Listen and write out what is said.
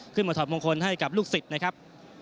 ถอดมงคลให้กับลูกศิษย์นะครับ